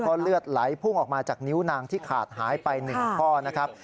เพราะเลือดไหลพุ่งออกมาจากนิ้วนางที่ขาดหายไป๑ข้อนะครับ